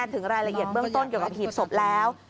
ถึงรายละเอียดเบื้องต้นเกี่ยวกับหีบศพแล้ว